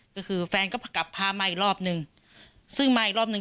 ก็คือแฟนก็กลับพามาอีกรอบนึงซึ่งมาอีกรอบหนึ่ง